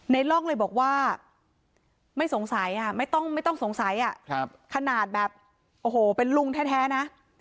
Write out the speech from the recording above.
ร่องเลยบอกว่าไม่สงสัยไม่ต้องสงสัยขนาดแบบโอ้โหเป็นลุงแท้นะ